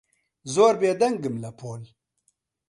زۆر بێدەنگم لە پۆل.